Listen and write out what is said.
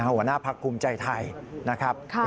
หัวหน้าภักดิ์กุมใจไทยนะครับ